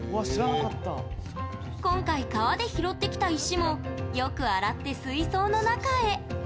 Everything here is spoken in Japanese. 今回、川で拾ってきた石もよく洗って水槽の中へ。